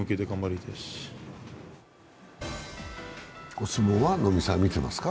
お相撲は能見さん、見てますか？